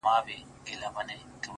• څوك مي دي په زړه باندي لاس نه وهي،